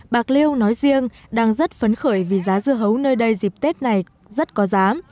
bạc liêu nói riêng đang rất phấn khởi vì giá dưa hấu nơi đây dịp tết này rất có giá